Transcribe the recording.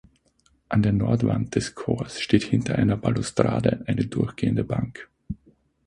An der Nordwand des Chors steht hinter einer Balustrade eine durchgehende Bank.